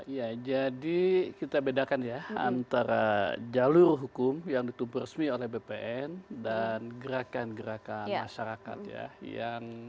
ya jadi kita bedakan ya antara jalur hukum yang ditumpu resmi oleh bpn dan gerakan gerakan masyarakat ya